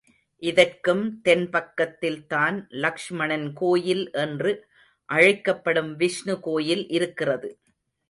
இதற்கும் தென் பக்கத்தில்தான் லக்ஷ்மணன் கோயில் என்று அழைக்கப்படும் விஷ்ணு கோயில் இருக்கிறது.